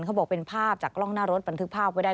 เขาบอกเป็นภาพจากกล้องหน้ารถบันทึกภาพไว้ได้